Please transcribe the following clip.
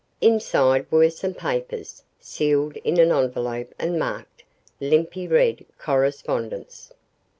Inside were some papers, sealed in an envelope and marked "Limpy Red Correspondence."